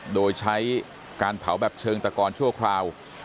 โดยใช้การเผาแบบเชิงตะกอนชั่วคราว